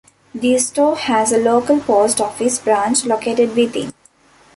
The store has a local post office branch located within.